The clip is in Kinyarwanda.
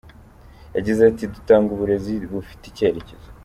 Yagize ati “Dutanga uburezi bufite icyerekezo.